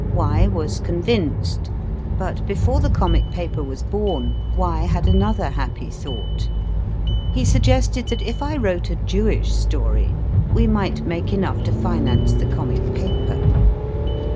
Y. was convinced. But before the comic paper was born, Y. had another happy thought. He suggested that if I wrote a Jewish story, we might make enough to finance the comic paper.